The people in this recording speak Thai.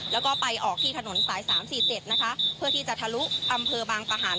แล้วก็ไปออกที่ถนนสาย๓๔๗เพื่อที่จะทะลุอำเภอบางประหัน